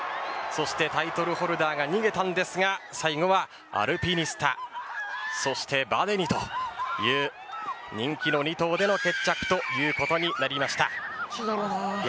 そしてタイトルホルダーが逃げたんですが最後はアルピニスタそしてヴァデニという人気の２頭での決着ということになりました。